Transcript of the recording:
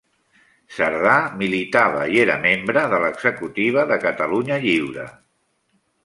Cerdà militava i era membre de l'executiva de Catalunya Lliure.